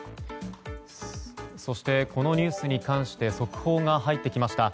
そしてこのニュースに関して速報が入ってきました。